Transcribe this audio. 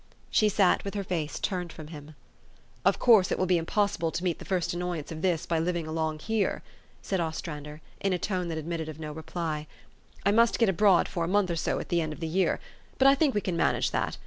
She sat with her face turned from him. " Of course it will be impossible to meet the first annoyance of this by living along here," said Os trander in a tone that admitted of no reply. " I must get abroad for a month or so at the end of the year ; but I think we can manage that.